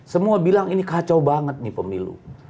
semua bilang ini kacau banget nih pemilu